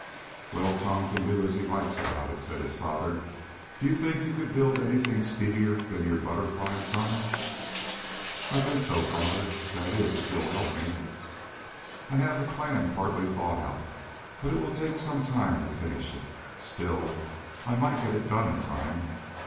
"Well, Tom can do as he likes about it," said his father. "Do you think you could build anything speedier than your Butterfly, son?" "I think so, father. That is, if you'd help me. I have a plan partly thought out, but it will take some time to finish it. Still, I might get it done in time."